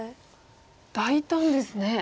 大胆ですね。